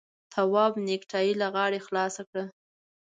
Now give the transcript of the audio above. تواب نېکټايي له غاړې خلاصه کړه.